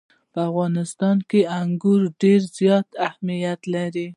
په افغانستان کې انګور ډېر زیات اهمیت لري.